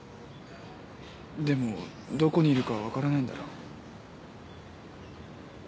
でもどこにいるかは分からないんだろう？